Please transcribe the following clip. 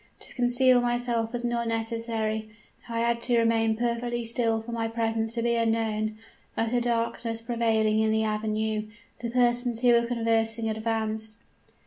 To conceal myself was not necessary; I had to remain perfectly still for my presence to be unknown, utter darkness prevailing in the avenue. The persons who were conversing advanced.